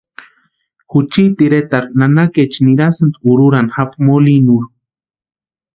Juchiti iretarhu nanakeecha nirasïnti úrhurhani japu molinurhu.